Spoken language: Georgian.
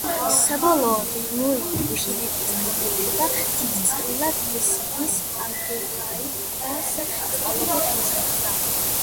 საბოლოოდ ლუი ფილიპის გამეფება, დიდწილად მისი დის, ადელაიდას წყალობით მოხერხდა.